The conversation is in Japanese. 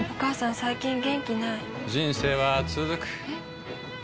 最近元気ない人生はつづくえ？